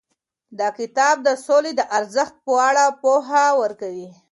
دا کتاب د سولې د ارزښت په اړه پوهه ورکوي.